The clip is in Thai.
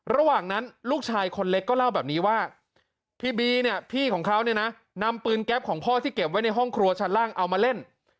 ระหว่างนั้นลูกชายคนเล็กก็เล่าแบบนี้ว่าพี่บีเนี่ยพี่ของเขาเนี่ยนะนำปืนแก๊ปของพ่อที่เก็บไว้ในห้องครัวชั้นล่างเอามาเล่น